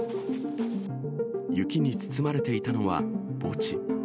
雪に包まれていたのは、墓地。